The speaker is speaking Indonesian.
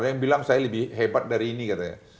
ada yang bilang saya lebih hebat dari ini katanya